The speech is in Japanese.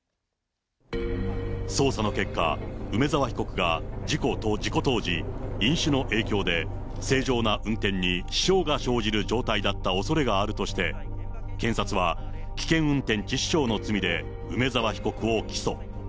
捜査の結果、梅沢被告が事故当時、飲酒の影響で、正常な運転に支障が生じる状態だったおそれがあるとして、検察は、危険運転致死傷の罪で、梅沢被告を起訴。